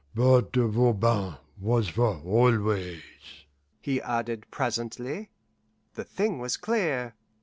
But Voban was for always," he added presently. The thing was clear.